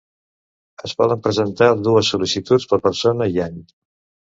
Es poden presentar dues sol·licituds per persona i any.